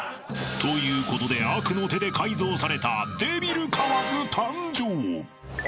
［ということで悪の手で改造されたデビル川津誕生］